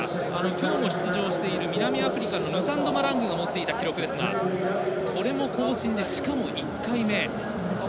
きょう出場している南アフリカのヌタンド・マラングが持っていた記録ですがこれも更新でしかも１回目。